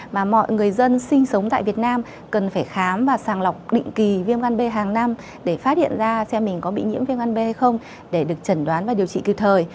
mà mọi người dân sinh sống tại việt nam cần phải khám và sàng lọc định kỳ viêm ngăn bê hàng năm để phát hiện ra xem mình có bị nhiễm viêm ngăn bê hay không để được chẩn đoán và điều trị cực thời